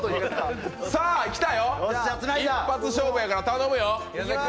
さあ来たよ、一発勝負だから頼むよ。